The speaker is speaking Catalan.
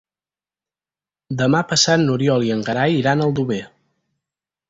Demà passat n'Oriol i en Gerai iran a Aldover.